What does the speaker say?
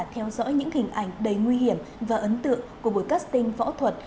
theo dõi những hình ảnh đầy nguy hiểm và ấn tượng của buổi casting võ thuật